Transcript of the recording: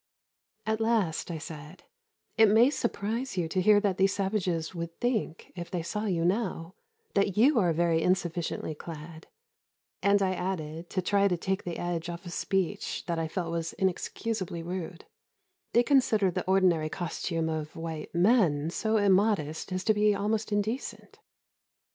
At last, I said, "It may surprise you to hear that these savages would think, if they saw you now, that you are very insufficiently clad;" and I added, to try and take the edge off a speech that I felt was inexcusably rude, "they consider the ordinary costume of white men so immodest as to be almost indecent."